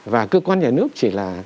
và cơ quan nhà nước chỉ là